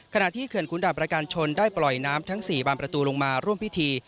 เขื่อนขุนดาบประการชนได้ปล่อยน้ำทั้ง๔บางประตูลงมาร่วมพิธี